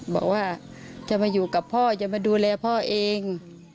บอกว่าจะมาอยู่กับพ่อจะมาดูแลพ่อเอง